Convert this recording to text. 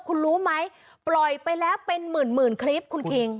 คุณรู้ไหมปล่อยไปแล้วเป็นหมื่นคลิปคุณคิง